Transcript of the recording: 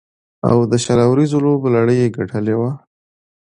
او د شل اوریزو لوبو لړۍ یې ګټلې وه.